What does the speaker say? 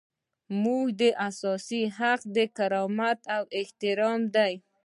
زموږ اساسي حق د کرامت او احترام دی.